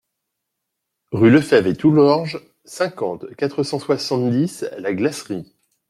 Rue Lefevre et Toulorge, cinquante, quatre cent soixante-dix La Glacerie